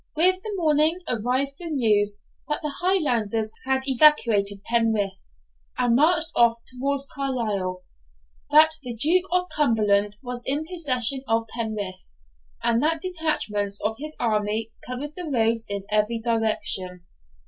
With the morning arrived the news that the Highlanders had evacuated Penrith, and marched off towards Carlisle; that the Duke of Cumberland was in possession of Penrith, and that detachments of his army covered the roads in every direction.